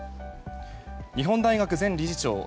日本大学前理事長